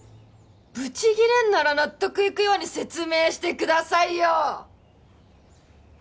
ブチ切れんなら納得いくように説明してくださいよ！